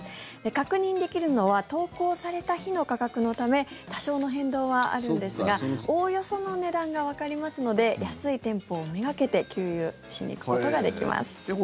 確認できるのは投稿された日の価格のため多少の変動はあるんですがおおよその値段がわかりますので安いテンポをめがけて給油しに行くことができます。